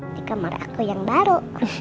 di kamar aku yang baru